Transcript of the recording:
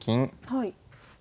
はい。